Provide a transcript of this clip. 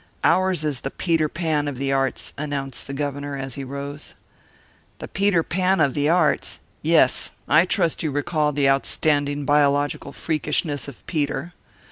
"Ours is the Peter Pan of the arts," announced the Governor, as he rose. "The Peter Pan of the arts " "Yes. I trust you recall the outstanding biological freakishness of Peter."